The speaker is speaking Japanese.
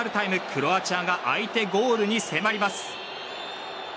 クロアチアが相手ゴールに迫ります。